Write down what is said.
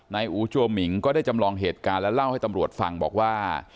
อูจัวหมิงก็ได้จำลองเหตุการณ์และเล่าให้ตำรวจฟังบอกว่า